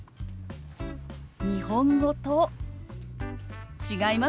日本語と違いますよね。